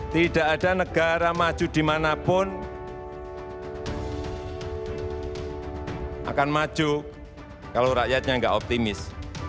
tidak ada negara maju dimanapun akan maju kalau rakyatnya nggak optimis